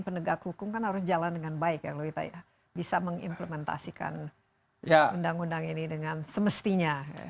penegak hukum kan harus jalan dengan baik ya kalau kita bisa mengimplementasikan undang undang ini dengan semestinya